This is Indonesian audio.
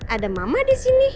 ada mama di sini